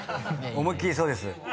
思いっ切りそうです。